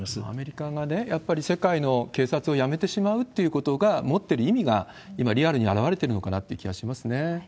アメリカがやっぱり、世界の警察をやめてしまうっていうことが、持ってる意味が今、リアルに表れてるのかなという気はしますね。